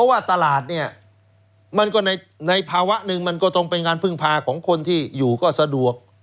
ว่าตลาดเนี่ยมันก็ในภาวะหนึ่งมันก็ต้องเป็นงานพึ่งพาของคนที่อยู่ก็สะดวก